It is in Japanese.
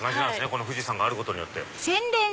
この富士山があることによって。